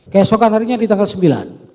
keesokan harinya di tanggal sembilan